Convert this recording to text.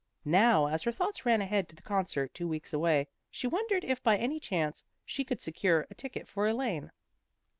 Now as her thoughts ran ahead to the concert two weeks away, she wondered if by any chance she could secure a ticket for Elaine.